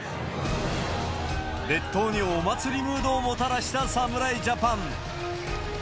列島にお祭りムードをもたらした侍ジャパン。